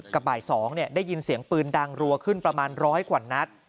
บ่าย๒ได้ยินเสียงปืนดังรัวขึ้นประมาณร้อยกว่านัด